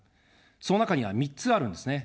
その中には３つあるんですね。